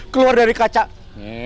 keluar dari kacang